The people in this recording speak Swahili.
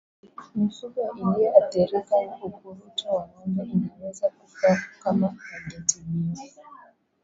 Mifugo iliyoathirika na ukurutu wa ngombe inaweza kufa kama haitatibiwa